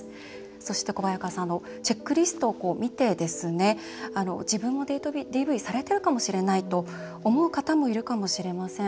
そして、チェックリストを見て自分もデートＤＶされているかもしれないと思う方もいるかもしれません。